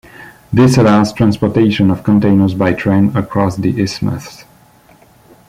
This allows transportation of containers by train across the isthmus.